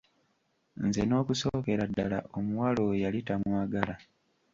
Nze n'okusookera ddala omuwala oyo yali tamwagala.